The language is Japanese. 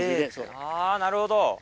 あぁなるほど。